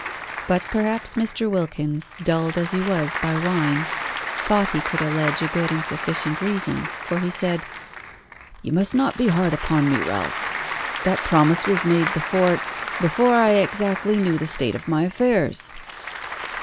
But perhaps Mr. Wilkins, dulled as he was by wine thought he could allege a good and sufficient reason, for he said: "You must not be hard upon me, Ralph. That promise was made before before I exactly knew the state of my affairs!"